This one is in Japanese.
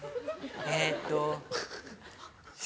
えっと。